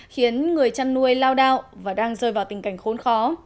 khiến người chăn nuôi lao đao và đang rơi vào tình cảnh khốn khó